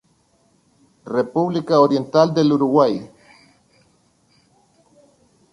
República Oriental del Uruguay.